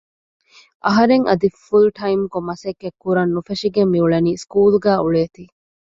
އަހަރެން އަދި ފުލް ޓައިމްކޮށް މަސައްކަތްކުރަން ނުފެށިގެން މިއުޅެނީ ސްކޫލުގައި އުޅޭތީ